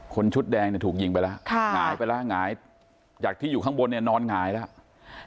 ชุดแดงเนี่ยถูกยิงไปแล้วหงายไปแล้วหงายจากที่อยู่ข้างบนเนี่ยนอนหงายแล้ว